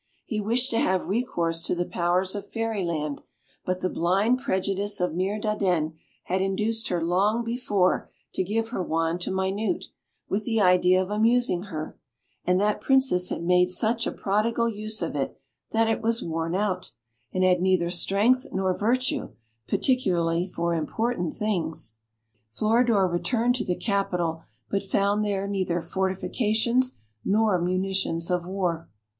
He wished to have recourse to the powers of Fairyland; but the blind prejudice of Mirdandenne had induced her long before to give her wand to Minute, with the idea of amusing her, and that Princess had made such a prodigal use of it, that it was worn out, and had neither strength nor virtue, particularly for important things. Floridor returned to the capital, but found there neither fortifications nor munitions of war.